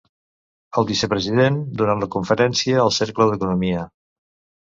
El vicepresident, durant la conferència al Cercle d'Economia.